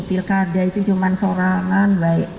pilkada itu cuma seorangan